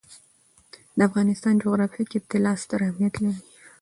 د افغانستان جغرافیه کې طلا ستر اهمیت لري.